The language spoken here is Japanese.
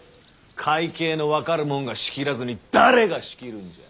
会計の分かる者が仕切らずに誰が仕切るんじゃ。